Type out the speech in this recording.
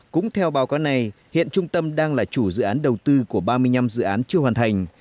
cũng theo báo cáo này hiện trung tâm đang là chủ dự án đầu tư của ba mươi năm dự án chưa hoàn thành